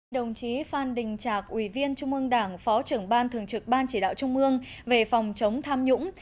đồng chí phan đình trạc ủy viên trung ương đảng phó trưởng ban thường trực ban chỉ đạo trung ương về phòng chống tham nhũng